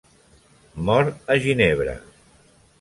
Mor a Ginebra.